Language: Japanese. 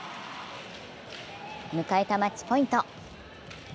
迎えたマッチポイント。